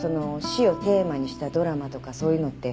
死をテーマにしたドラマとかそういうのって